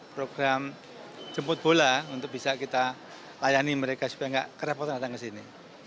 program jemput bola untuk bisa kita layani mereka supaya nggak kerepotan datang ke sini